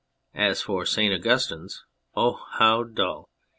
As for St. Augustine's (oh, how dull